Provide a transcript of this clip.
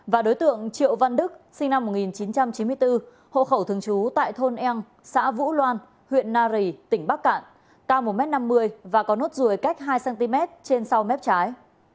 và đối tượng triệu văn đức sinh năm một nghìn chín trăm chín mươi bốn hộ khẩu thường trú tại thôn eng xã vũ loan huyện nari tỉnh bắc cạn cao một m năm mươi và có nốt ruồi cách hai cm trên sau mép trái